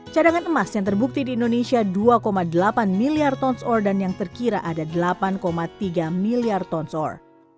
cadangan emas yang terbukti di indonesia dua delapan miliar tons ore dan yang terkira ada delapan tiga miliar tonsor